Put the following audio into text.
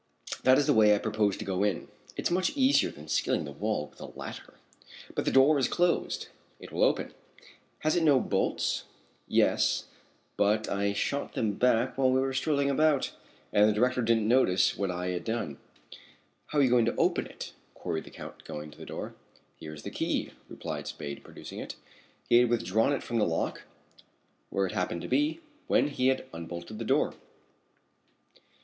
"That is the way I propose to go in. It's much easier than scaling the wall with a ladder." "But the door is closed." "It will open." "Has it no bolts?" "Yes, but I shot them back while we were strolling about, and the director didn't notice what I had done." "How are you going to open it?" queried the Count, going to the door. "Here is the key," replied Spade, producing it. He had withdrawn it from the lock, where it happened to be, when he had unbolted the door.